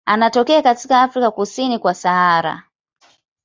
Anatokea katika Afrika kusini kwa Sahara.